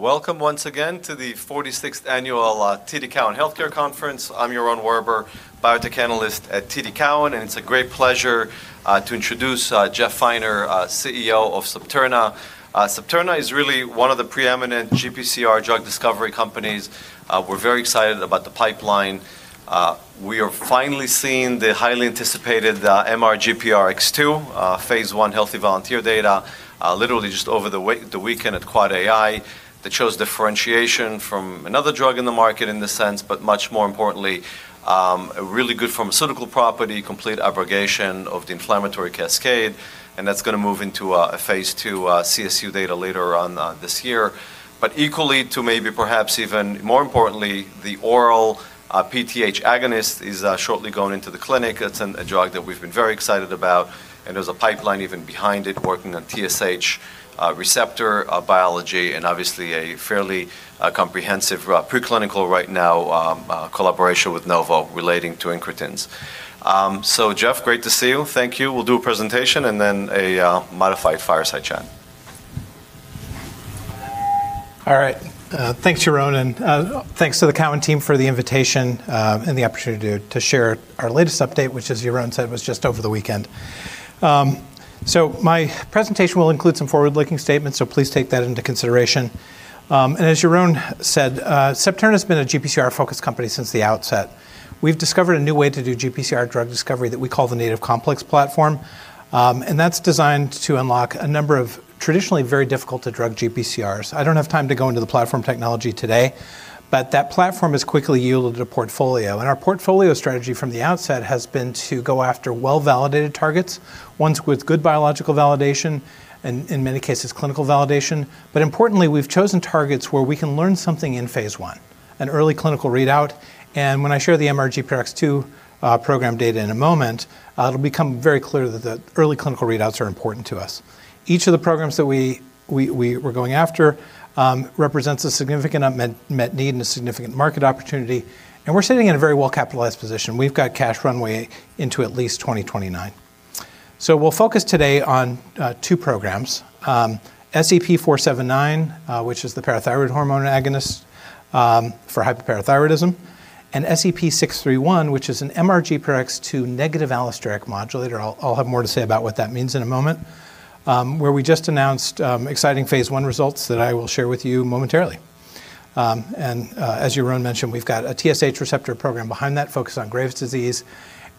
Welcome once again to the 46th Annual TD Cowen Healthcare Conference. I'm Yaron Werber, biotech analyst at TD Cowen, and it's a great pleasure to introduce Jeff Finer, CEO of Septerna. Septerna is really one of the preeminent GPCR drug discovery companies. We're very excited about the pipeline. We are finally seeing the highly anticipated MRGPRX2 phase I healthy volunteer data literally just over the weekend at AAAAI that shows differentiation from another drug in the market in this sense, but much more importantly, a really good pharmaceutical property, complete abrogation of the inflammatory cascade, and that's gonna move into a phase II CSU data later on this year. Equally to maybe perhaps even more importantly, the oral PTH agonist is shortly going into the clinic. It's a drug that we've been very excited about. There's a pipeline even behind it working on TSH receptor biology. Obviously a fairly comprehensive preclinical right now collaboration with Novo relating to incretins. Jeff, great to see you. Thank you. We'll do a presentation and then a modified fireside chat. All right. Thanks, Yaron, thanks to the Cowen team for the invitation, the opportunity to share our latest update, which as Yaron said, was just over the weekend. My presentation will include some forward-looking statements, so please take that into consideration. As Yaron said, Septerna has been a GPCR-focused company since the outset. We've discovered a new way to do GPCR drug discovery that we call the Native Complex Platform, that's designed to unlock a number of traditionally very difficult to drug GPCRs. I don't have time to go into the platform technology today, that platform has quickly yielded a portfolio. Our portfolio strategy from the outset has been to go after well-validated targets, ones with good biological validation and, in many cases, clinical validation. Importantly, we've chosen targets where we can learn something in phase I, an early clinical readout. When I share the MRGPRX2 program data in a moment, it'll become very clear that the early clinical readouts are important to us. Each of the programs that we're going after represents a significant unmet need and a significant market opportunity, and we're sitting in a very well-capitalized position. We've got cash runway into at least 2029. We'll focus today on two programs. SEP-479, which is the parathyroid hormone agonist, for hyperparathyroidism, and SEP-631, which is an MRGPRX2 negative allosteric modulator. I'll have more to say about what that means in a moment, where we just announced exciting phase I results that I will share with you momentarily. As Yaron mentioned, we've got a TSH receptor program behind that focused on Graves' disease.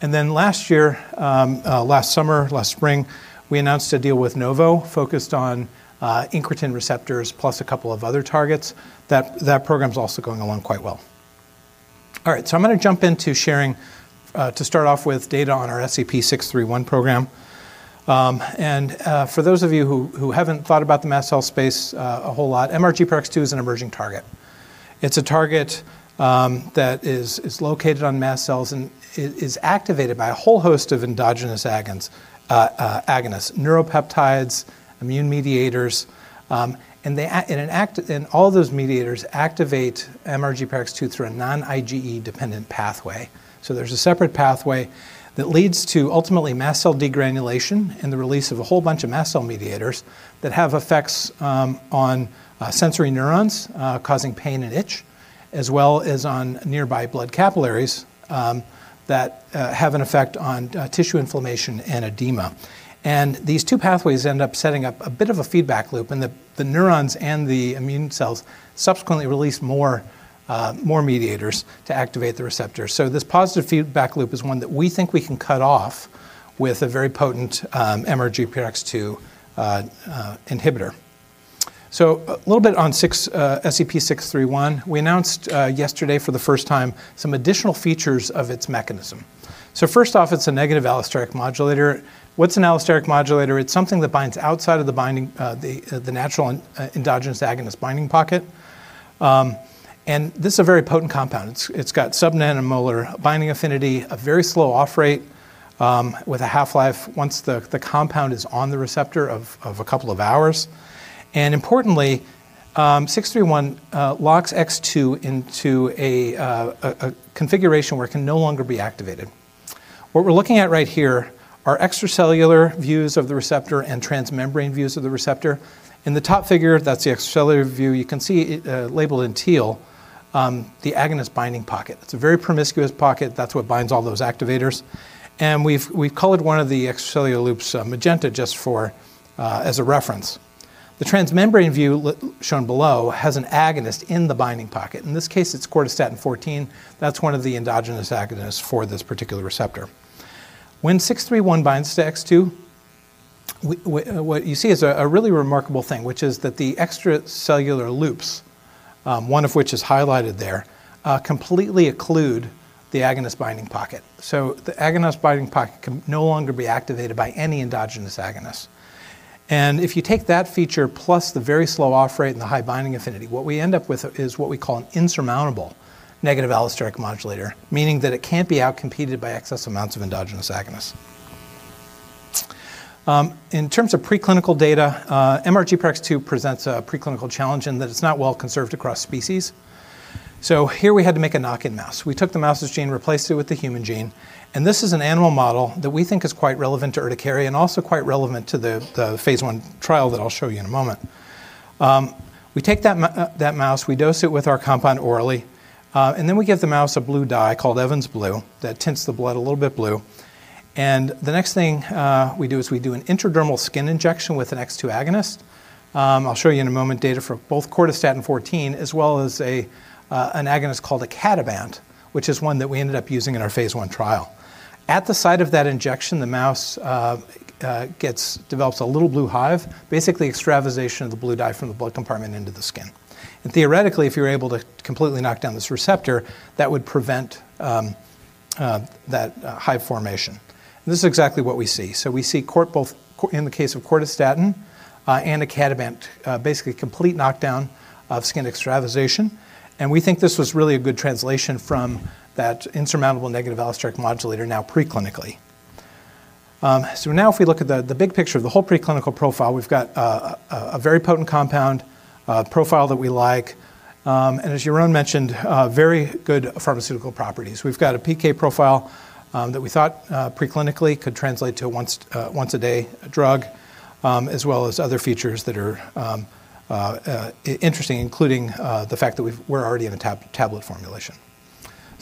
Last year, last summer, last spring, we announced a deal with Novo focused on incretin receptors plus a couple of other targets. That program's also going along quite well. All right, I'm gonna jump into sharing to start off with data on our SEP-631 program. For those of you who haven't thought about the mast cell space a whole lot, MRGPRX2 is an emerging target. It's a target that is located on mast cells and is activated by a whole host of endogenous agonists, neuropeptides, immune mediators. All those mediators activate MRGPRX2 through a non-IgE-dependent pathway. There's a separate pathway that leads to ultimately mast cell degranulation and the release of a whole bunch of mast cell mediators that have effects on sensory neurons, causing pain and itch, as well as on nearby blood capillaries that have an effect on tissue inflammation and edema. These two pathways end up setting up a bit of a feedback loop, and the neurons and the immune cells subsequently release more mediators to activate the receptor. This positive feedback loop is one that we think we can cut off with a very potent MRGPRX2 inhibitor. A little bit on SEP-631. We announced yesterday for the first time some additional features of its mechanism. First off, it's a negative allosteric modulator. What's an allosteric modulator? It's something that binds outside of the binding, the natural endogenous agonist binding pocket. This is a very potent compound. It's got sub-nanomolar binding affinity, a very slow off rate, with a half-life once the compound is on the receptor of a couple of hours. Importantly, SEP-631 locks X2 into a configuration where it can no longer be activated. What we're looking at right here are extracellular views of the receptor and transmembrane views of the receptor. In the top figure, that's the extracellular view. You can see labeled in teal, the agonist binding pocket. It's a very promiscuous pocket. That's what binds all those activators. We've colored one of the extracellular loops magenta just for as a reference. The transmembrane view shown below has an agonist in the binding pocket. In this case, it's cortistatin-14. That's one of the endogenous agonists for this particular receptor. When 631 binds to X2, what you see is a really remarkable thing, which is that the extracellular loops, one of which is highlighted there, completely occlude the agonist binding pocket. So the agonist binding pocket can no longer be activated by any endogenous agonist. If you take that feature plus the very slow off rate and the high binding affinity, what we end up with is what we call an insurmountable negative allosteric modulator, meaning that it can't be outcompeted by excess amounts of endogenous agonist. In terms of preclinical data, MRGPRX2 presents a preclinical challenge in that it's not well conserved across species. So here we had to make a knock-in mouse. We took the mouse's gene, replaced it with the human gene, and this is an animal model that we think is quite relevant to urticaria and also quite relevant to the phase I trial that I'll show you in a moment. We take that mouse, we dose it with our compound orally, and then we give the mouse a blue dye called Evans blue that tints the blood a little bit blue. The next thing we do is we do an intradermal skin injection with an X2 agonist. I'll show you in a moment data for both cortistatin-14 as well as an agonist called icatibant, which is one that we ended up using in our phase I trial. At the site of that injection, the mouse develops a little blue hive, basically extravasation of the blue dye from the blood compartment into the skin. Theoretically, if you're able to completely knock down this receptor, that would prevent that hive formation. This is exactly what we see. We see in the case of cortistatin and icatibant basically complete knockdown of skin extravasation, and we think this was really a good translation from that insurmountable negative allosteric modulator now preclinically. Now if we look at the big picture of the whole preclinical profile, we've got a very potent compound, a profile that we like, and as Yaron mentioned, very good pharmaceutical properties. We've got a PK profile that we thought preclinically could translate to a once-a-day drug, as well as other features that are interesting, including the fact that we're already in a tablet formulation.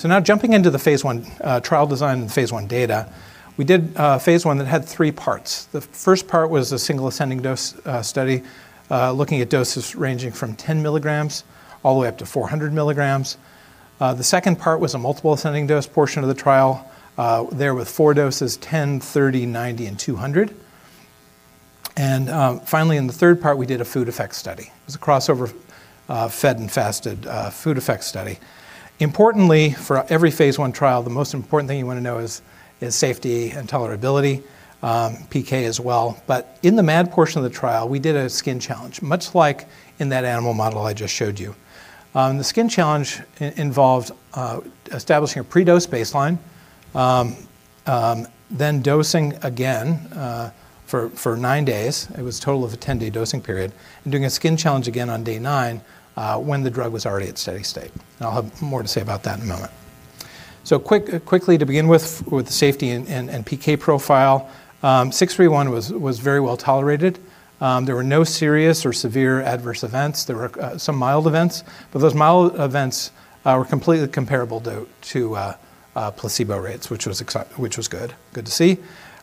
Now jumping into the phase I trial design and phase I data, we did phase I that had three parts. The first part was a single ascending dose study looking at doses ranging from 10 mg all the way up to 400 mg. The second part was a multiple ascending dose portion of the trial, there with four doses, 10, 30, 90, and 200. Finally, in the third part, we did a food effect study. It was a crossover, fed and fasted, food effect study. Importantly, for every phase I trial, the most important thing you wanna know is safety and tolerability, PK as well. In the MAD portion of the trial, we did a skin challenge, much like in that animal model I just showed you. The skin challenge involved establishing a pre-dose baseline, then dosing again for nine days, it was a total of a 10-day dosing period, and doing a skin challenge again on day nine, when the drug was already at steady state. I'll have more to say about that in a moment. Quickly to begin with the safety and PK profile, SEP-631 was very well-tolerated. There were no serious or severe adverse events. There were some mild events, but those mild events were completely comparable to placebo rates, which was good to see.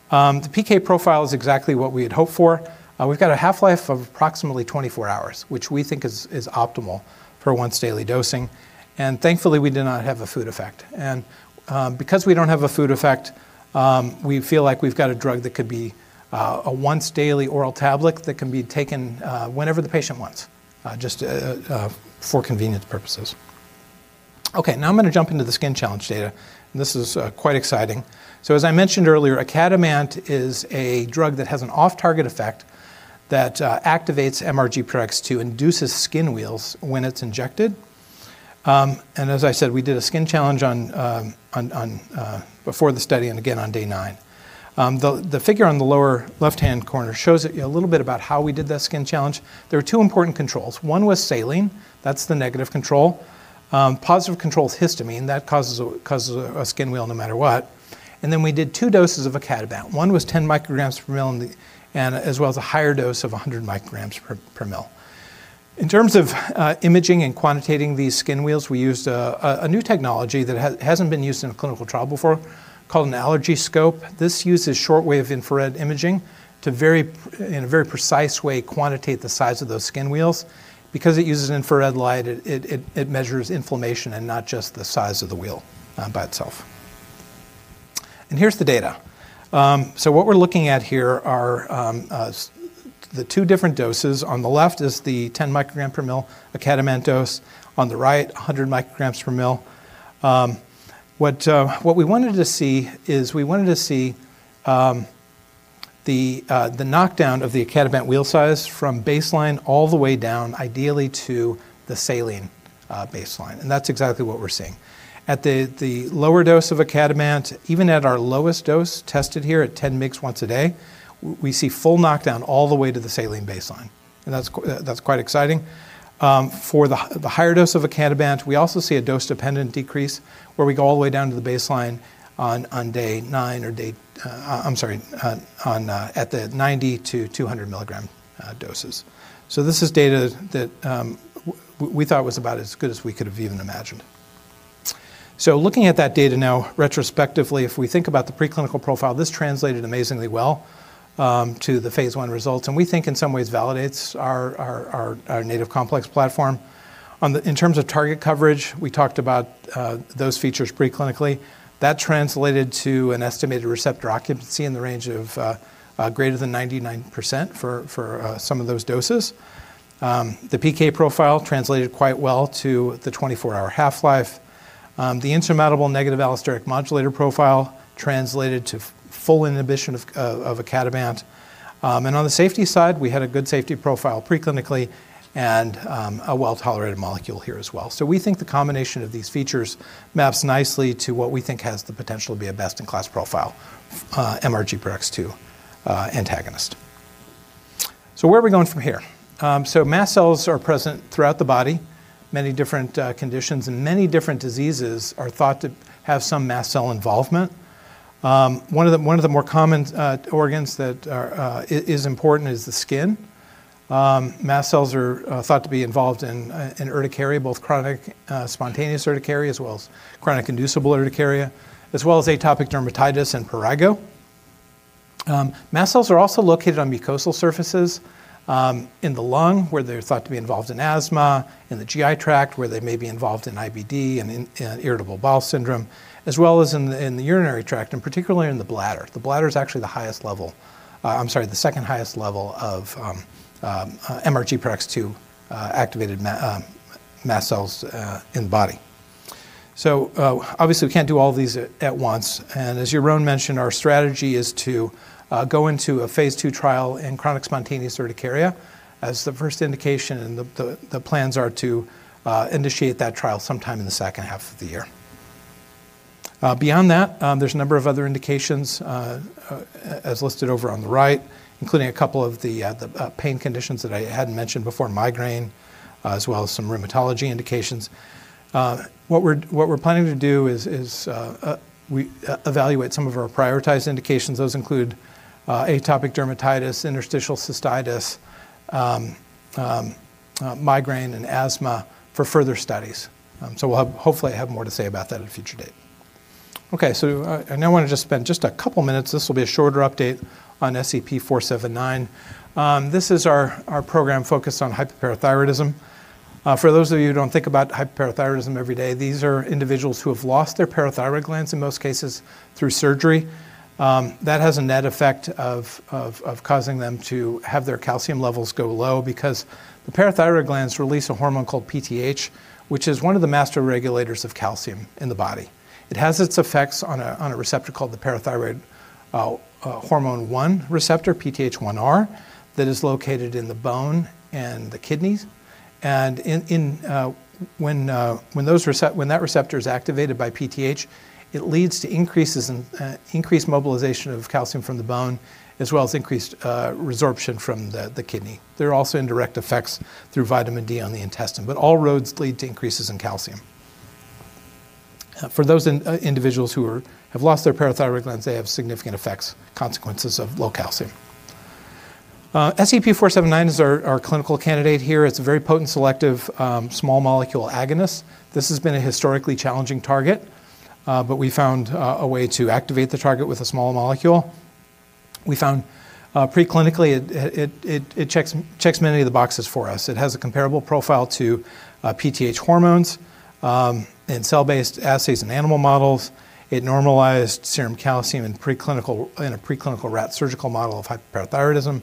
The PK profile is exactly what we had hoped for. We've got a half-life of approximately 24 hours, which we think is optimal for once-daily dosing. Thankfully, we did not have a food effect. Because we don't have a food effect, we feel like we've got a drug that could be a once-daily oral tablet that can be taken whenever the patient wants, just for convenience purposes. Now I'm gonna jump into the skin challenge data, this is quite exciting. As I mentioned earlier, icatibant is a drug that has an off-target effect that activates MRGPRX2 and induces skin wheals when it's injected. As I said, we did a skin challenge on before the study and again on day nine. The figure on the lower left-hand corner shows you a little bit about how we did that skin challenge. There were two important controls. One was saline. That's the negative control. Positive control is histamine. That causes a skin wheal no matter what. We did two doses of icatibant. One was 10 micrograms per ml as well as a higher dose of 100 micrograms per ml. In terms of imaging and quantitating these skin wheals, we used a new technology that hasn't been used in a clinical trial before called an AllergyScope. This uses shortwave infrared imaging to in a very precise way quantitate the size of those skin wheals. Because it uses infrared light, it measures inflammation and not just the size of the wheal by itself. Here's the data. What we're looking at here are the two different doses. On the left is the 10 microgram per ml icatibant dose. On the right, 100 micrograms per ml. What we wanted to see is we wanted to see the knockdown of the icatibant wheal size from baseline all the way down, ideally to the saline baseline, that's exactly what we're seeing. At the lower dose of icatibant, even at our lowest dose tested here at 10 mgs once a day, we see full knockdown all the way to the saline baseline. That's quite exciting. For the higher dose of icatibant, we also see a dose-dependent decrease where we go all the way down to the baseline on day nine or at the 90-200 milligram doses. This is data that we thought was about as good as we could have even imagined. Looking at that data now retrospectively, if we think about the preclinical profile, this translated amazingly well to the phase I results, we think in some ways validates our Native Complex Platform. In terms of target coverage, we talked about those features preclinically. That translated to an estimated receptor occupancy in the range of greater than 99% for some of those doses. The PK profile translated quite well to the 24-hour half-life. The insurmountable negative allosteric modulator profile translated to full inhibition of icatibant. On the safety side, we had a good safety profile preclinically and a well-tolerated molecule here as well. We think the combination of these features maps nicely to what we think has the potential to be a best-in-class profile, MRGPRX2 antagonist. Where are we going from here? Mast cells are present throughout the body. Many different conditions and many different diseases are thought to have some mast cell involvement. One of the more common organs that are is important is the skin. Mast cells are thought to be involved in urticaria, both chronic spontaneous urticaria, as well as chronic inducible urticaria, as well as atopic dermatitis and prurigo. Mast cells are also located on mucosal surfaces, in the lung, where they're thought to be involved in asthma, in the GI tract, where they may be involved in IBD and irritable bowel syndrome, as well as in the urinary tract, and particularly in the bladder. The bladder is actually the highest level I'm sorry, the second highest level of MRGPRX2 activated mast cells in the body. Obviously we can't do all of these at once, and as Jeroen mentioned, our strategy is to go into a phase II trial in chronic spontaneous urticaria as the 1st indication, and the plans are to initiate that trial sometime in the second half of the year. Beyond that, there's a number of other indications as listed over on the right, including a couple of the pain conditions that I hadn't mentioned before, migraine, as well as some rheumatology indications. What we're planning to do is we evaluate some of our prioritized indications. Those include atopic dermatitis, interstitial cystitis, migraine, and asthma for further studies. We'll hopefully have more to say about that at a future date. Okay, I now want to spend a couple minutes, this will be a shorter update, on SEP-479. This is our program focused on hyperparathyroidism. For those of you who don't think about hyperparathyroidism every day, these are individuals who have lost their parathyroid glands, in most cases through surgery. That has a net effect of causing them to have their calcium levels go low because the parathyroid glands release a hormone called PTH, which is one of the master regulators of calcium in the body. It has its effects on a receptor called the Parathyroid hormone 1 receptor, PTH1R, that is located in the bone and the kidneys. In when that receptor is activated by PTH, it leads to increases in increased mobilization of calcium from the bone as well as increased resorption from the kidney. There are also indirect effects through vitamin D on the intestine, all roads lead to increases in calcium. For those individuals who have lost their parathyroid glands, they have significant effects, consequences of low calcium. SEP-479 is our clinical candidate here. It's a very potent selective small molecule agonist. This has been a historically challenging target, we found a way to activate the target with a small molecule. We found pre-clinically it checks many of the boxes for us. It has a comparable profile to PTH hormones in cell-based assays and animal models. It normalized serum calcium in a preclinical rat surgical model of hyperparathyroidism.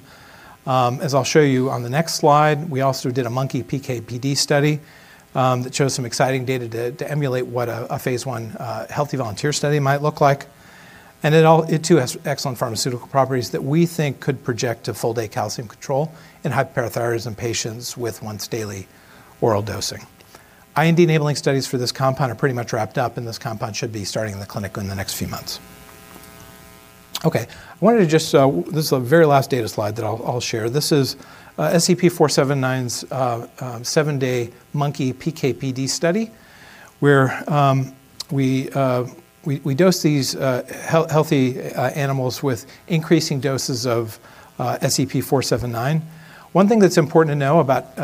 As I'll show you on the next slide, we also did a monkey PK/PD study that shows some exciting data to emulate what a phase I healthy volunteer study might look like. It too has excellent pharmaceutical properties that we think could project to full-day calcium control in hyperparathyroidism patients with once-daily oral dosing. IND-enabling studies for this compound are pretty much wrapped up. This compound should be starting in the clinic in the next few months. I wanted to just. This is the very last data slide that I'll share. This is SEP-479's seven-day monkey PK/PD study, where we dose these healthy animals with increasing doses of SEP-479. One thing that's important to know about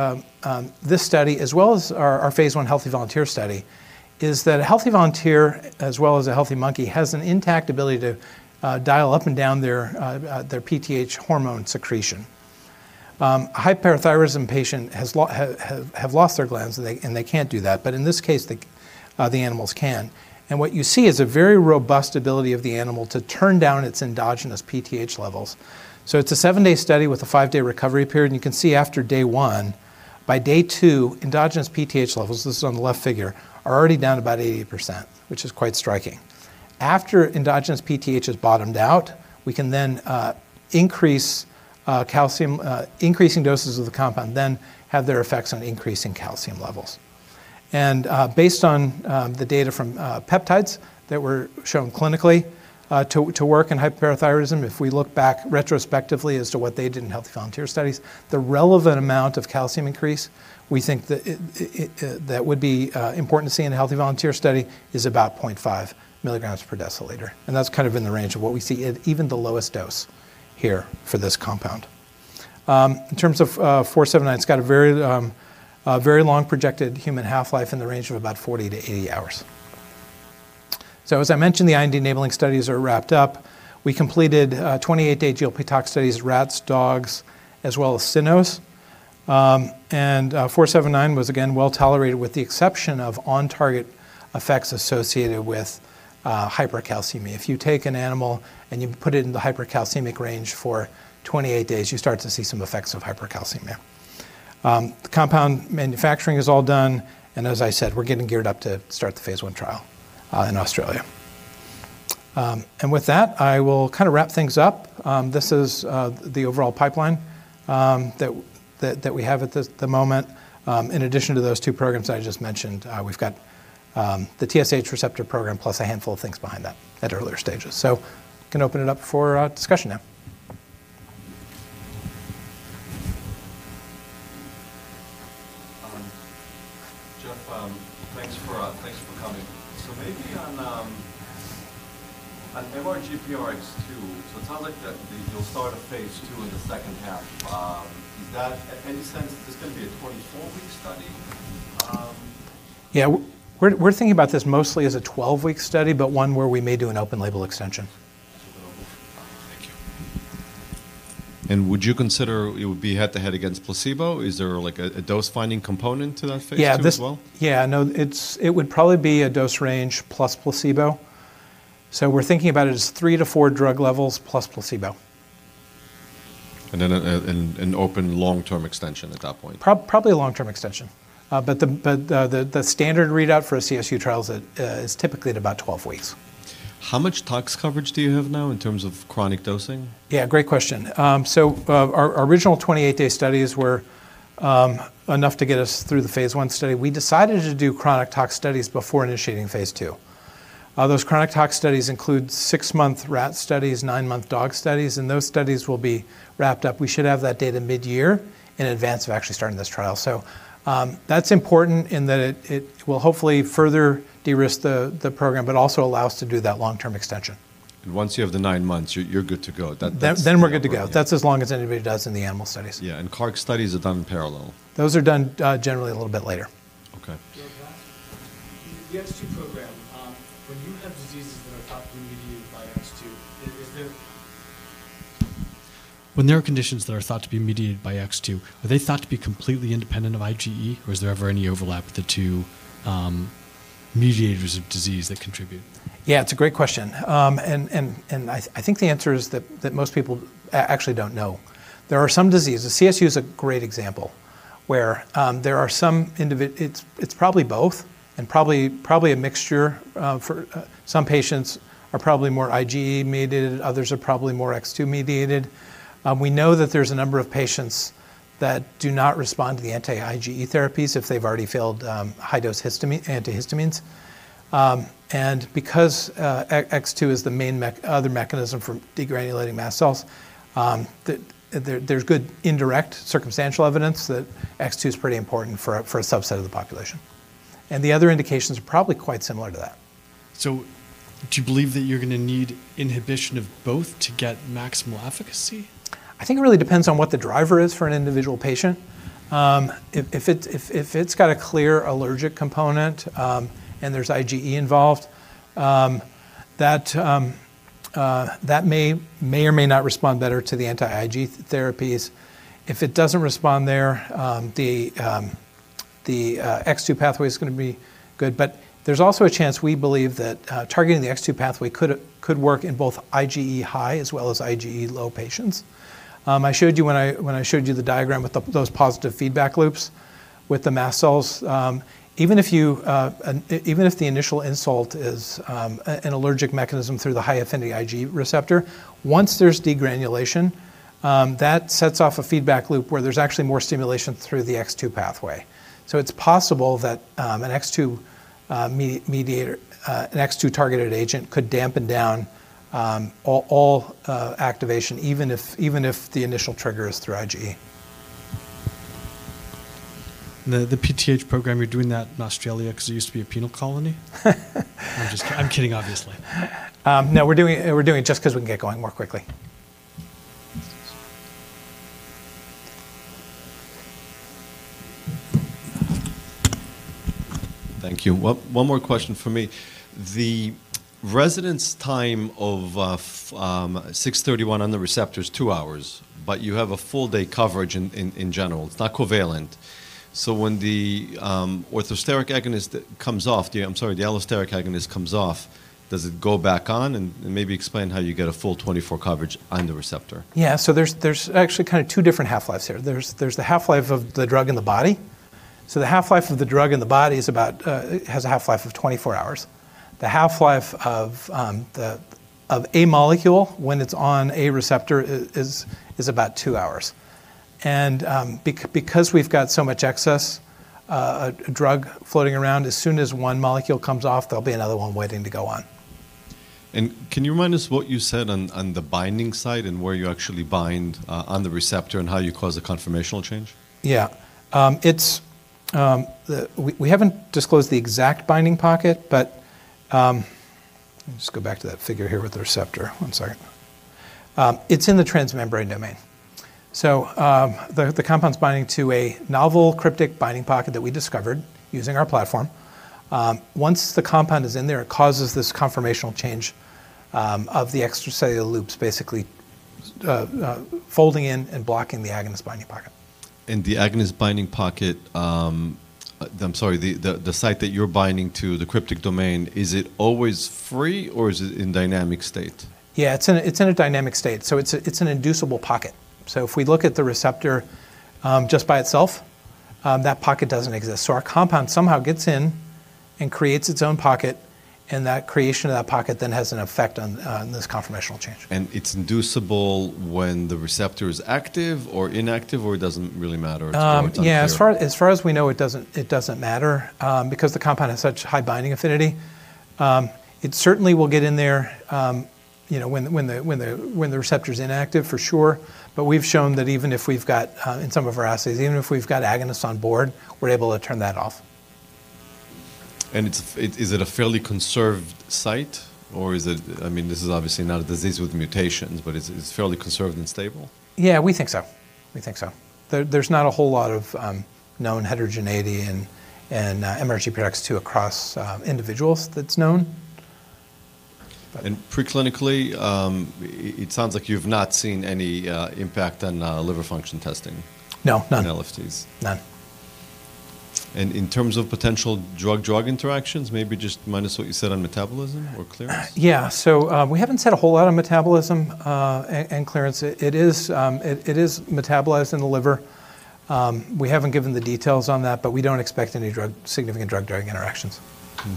this study, as well as our phase I healthy volunteer study, is that a healthy volunteer as well as a healthy monkey has an intact ability to dial up and down their PTH hormone secretion. A hyperparathyroidism patient has lost their glands and they, and they can't do that. In this case, the animals can. What you see is a very robust ability of the animal to turn down its endogenous PTH levels. It's a seven-day study with a five-day recovery period, and you can see after day one, by day two, endogenous PTH levels, this is on the left figure, are already down about 80%, which is quite striking. After endogenous PTH has bottomed out, we can then increase calcium, increasing doses of the compound then have their effects on increasing calcium levels. Based on the data from peptides that were shown clinically to work in hyperparathyroidism, if we look back retrospectively as to what they did in healthy volunteer studies, the relevant amount of calcium increase, we think the. that would be important to see in a healthy volunteer study is about 0.5 milligrams per deciliter, and that's kind of in the range of what we see at even the lowest dose here for this compound. In terms of SEP-479, it's got a very long projected human half-life in the range of about 40-80 hours. As I mentioned, the IND-enabling studies are wrapped up. We completed 28-day GLP tox studies, rats, dogs, as well as cynos. SEP-479 was again well-tolerated with the exception of on-target effects associated with hypercalcemia. If you take an animal and you put it in the hypercalcemic range for 28 days, you start to see some effects of hypercalcemia. The compound manufacturing is all done, and as I said, we're getting geared up to start the Phase I trial in Australia. With that, I will kind of wrap things up. This is the overall pipeline that we have at the moment. In addition to those two programs that I just mentioned, we've got the TSH receptor program plus a handful of things behind that at earlier stages. Gonna open it up for discussion now. Jeff, thanks for thanks for coming. Maybe on MRGPRX2, it sounds like that you'll start a phase II in the second half. Is that any sense there's gonna be a 24 week study? Yeah. We're thinking about this mostly as a 12-week study, but one where we may do an open label extension. Thank you. Would you consider it would be head to head against placebo? Is there a dose finding component to that phase II as well? Yeah. No. It would probably be a dose range plus placebo. We're thinking about it as three to four drug levels plus placebo. An open long-term extension at that point. Probably a long-term extension. The standard readout for a CSU trial is typically at about 12 weeks. How much tox coverage do you have now in terms of chronic dosing? Yeah, great question. Our original 28-day studies were enough to get us through the phase I study. We decided to do chronic tox studies before initiating phase II. Those chronic tox studies include six-month rat studies, nine-month dog studies, and those studies will be wrapped up. We should have that data mid-year in advance of actually starting this trial. That's important in that it will hopefully further de-risk the program, but also allow us to do that long-term extension. Once you have the nine months, you're good to go. That's. We're good to go. That's as long as anybody does in the animal studies. Yeah. Carc studies are done in parallel. Those are done, generally a little bit later. Okay. The X2 program, when you have diseases that are thought to be mediated by X2, when there are conditions that are thought to be mediated by X2, are they thought to be completely independent of IgE, or is there ever any overlap with the two, mediators of disease that contribute? Yeah, it's a great question. I think the answer is that most people actually don't know. There are some diseases. CSU is a great example where there are some. It's probably both and probably a mixture. Some patients are probably more IgE mediated, others are probably more X2 mediated. We know that there's a number of patients that do not respond to the anti-IgE therapies if they've already failed high-dose antihistamines. Because X2 is the main other mechanism for degranulating mast cells, there's good indirect circumstantial evidence that X2 is pretty important for a subset of the population. The other indications are probably quite similar to that. Do you believe that you're gonna need inhibition of both to get maximal efficacy? I think it really depends on what the driver is for an individual patient. If it's got a clear allergic component, and there's IgE involved, that may or may not respond better to the anti-IgE therapies. If it doesn't respond there, the X2 pathway is gonna be good. There's also a chance, we believe, that targeting the X2 pathway could work in both IgE high as well as IgE low patients. I showed you when I showed you the diagram with those positive feedback loops with the mast cells. even if you, and even if the initial insult is, an allergic mechanism through the high affinity IgE receptor, once there's degranulation, that sets off a feedback loop where there's actually more stimulation through the X2 pathway. It's possible that, an X2-targeted agent could dampen down, all activation, even if the initial trigger is through IgE. The PTH program, you're doing that in Australia because it used to be a penal colony? I'm just kidding, obviously. no, we're doing it just 'cause we can get going more quickly. Thank you. One more question from me. The residence time of SEP-631 on the receptor is two hours, but you have a full day coverage in general. It's not covalent. When the orthosteric agonist comes off, the allosteric agonist comes off, does it go back on? Maybe explain how you get a full 24 coverage on the receptor. There's actually kinda two different half-lives here. There's the half-life of the drug in the body. The half-life of the drug in the body is about, has a half-life of 24 hours. The half-life of a molecule when it's on a receptor is about two hours. Because we've got so much excess drug floating around, as soon as one molecule comes off, there'll be another one waiting to go on. Can you remind us what you said on the binding site and where you actually bind on the receptor and how you cause a conformational change? Yeah. We haven't disclosed the exact binding pocket. Let me just go back to that figure here with the receptor. One second. It's in the transmembrane domain. The compound's binding to a novel cryptic binding pocket that we discovered using our platform. Once the compound is in there, it causes this conformational change of the extracellular loops basically folding in and blocking the agonist binding pocket. The agonist binding pocket, I'm sorry, the site that you're binding to, the cryptic domain, is it always free, or is it in dynamic state? Yeah. It's in a dynamic state, it's an inducible pocket. If we look at the receptor just by itself, that pocket doesn't exist. Our compound somehow gets in and creates its own pocket, and that creation of that pocket then has an effect on this conformational change. It's inducible when the receptor is active or inactive, or it doesn't really matter? As far as we know, it doesn't matter, because the compound has such high binding affinity. It certainly will get in there, you know, when the receptor's inactive for sure. We've shown that even if we've got in some of our assays, even if we've got agonists on board, we're able to turn that off. Is it a fairly conserved site, or, I mean, this is obviously not a disease with mutations, but is it fairly conserved and stable? Yeah, we think so. We think so. There's not a whole lot of known heterogeneity in MRGPRX2 across individuals that's known. Preclinically, it sounds like you've not seen any impact on liver function testing. No, none. in LFTs. None. In terms of potential drug-drug interactions, maybe just minus what you said on metabolism or clearance? Yeah. We haven't said a whole lot on metabolism and clearance. It is metabolized in the liver. We haven't given the details on that, but we don't expect any significant drug-drug interactions.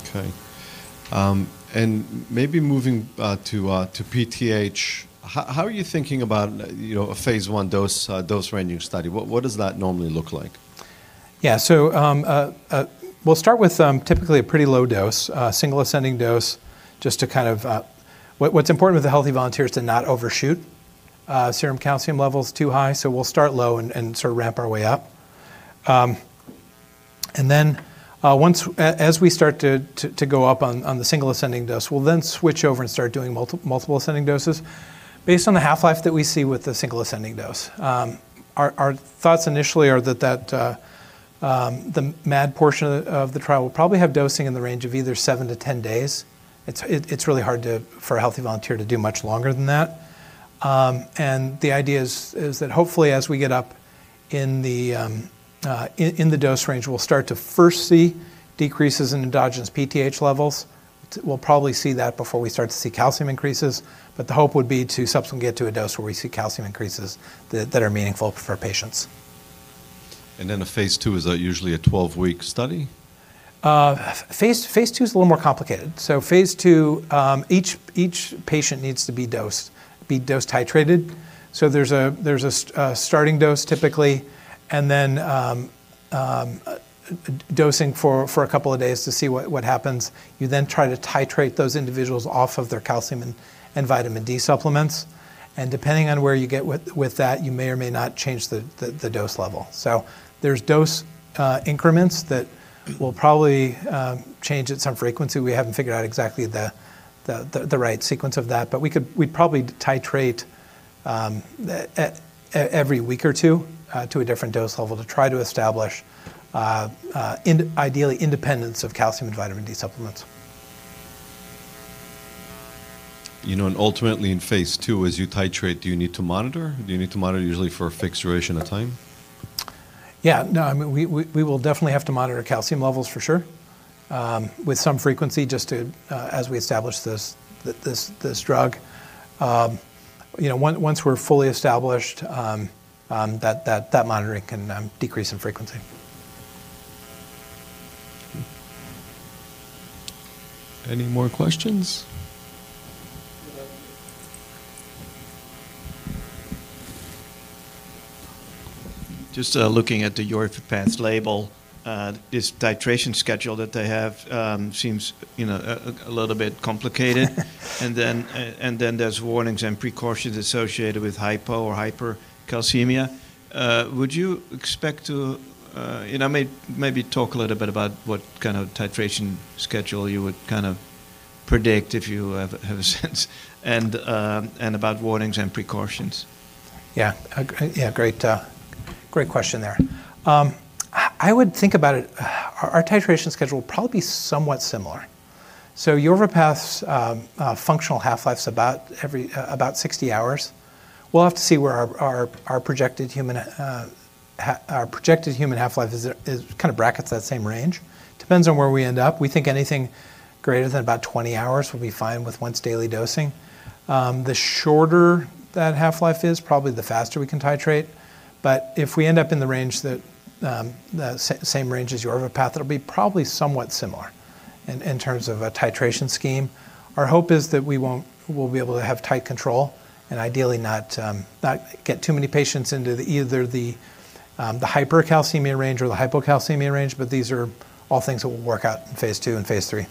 Okay. maybe moving to PTH, how are you thinking about, you know, a phase I dose ranging study? What does that normally look like? Yeah. We'll start with typically a pretty low dose, single ascending dose, just to kind of. What's important with the healthy volunteer is to not overshoot serum calcium levels too high, so we'll start low and sort of ramp our way up. As we start to go up on the single ascending dose, we'll then switch over and start doing multiple ascending doses based on the half-life that we see with the single ascending dose. Our thoughts initially are that the MAD portion of the trial will probably have dosing in the range of either seven-10 days. It's really hard for a healthy volunteer to do much longer than that. The idea is that hopefully as we get up in the dose range, we'll start to first see decreases in endogenous PTH levels. We'll probably see that before we start to see calcium increases, but the hope would be to subsequently get to a dose where we see calcium increases that are meaningful for patients. A phase II is usually a 12-week study? phase II is a little more complicated. phase II, each patient needs to be dosed, dose titrated. There's a starting dose typically, and then dosing for a couple of days to see what happens. You then try to titrate those individuals off of their calcium and vitamin D supplements. Depending on where you get with that, you may or may not change the dose level. There's dose increments that will probably change at some frequency. We haven't figured out exactly the right sequence of that. We'd probably titrate at every week or two to a different dose level to try to establish ideally independence of calcium and vitamin D supplements. You know, ultimately in phase II, as you titrate, do you need to monitor? Do you need to monitor usually for a fixed duration of time? Yeah. No, I mean, we will definitely have to monitor calcium levels for sure, with some frequency just to, as we establish this drug. You know, once we're fully established, that monitoring can decrease in frequency. Any more questions? Just looking at the Yorvipath's label, this titration schedule that they have, seems, you know, a little bit complicated. Then there's warnings and precautions associated with hypo- or hypercalcemia. Would you expect to, you know, maybe talk a little bit about what kind of titration schedule you would kind of predict if you have a sense and about warnings and precautions? Yeah, great question there. I would think about it. Our titration schedule will probably be somewhat similar. Yorvipath's functional half-life's about every 60 hours. We'll have to see where our projected human half-life is kind of brackets that same range. Depends on where we end up. We think anything greater than about 20 hours will be fine with once daily dosing. The shorter that half-life is, probably the faster we can titrate. If we end up in the range that, the same range as Yorvipath, it'll be probably somewhat similar in terms of a titration scheme. Our hope is that we'll be able to have tight control and ideally not get too many patients into either the hypercalcemia range or the hypocalcemia range. These are all things that we'll work out in phase II and phase III.